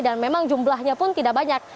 dan memang jumlahnya pun tidak banyak